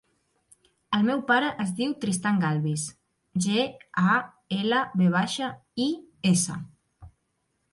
El meu pare es diu Tristan Galvis: ge, a, ela, ve baixa, i, essa.